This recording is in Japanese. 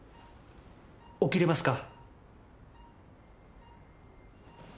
起きれますか？